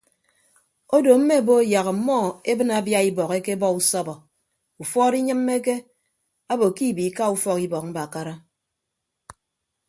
Odo mme bo yak ọmmọ ebịne abia ibọk ekebọ usọbọ ufuọd inyịmmeke abo ke ibiika ufọk ibọk mbakara.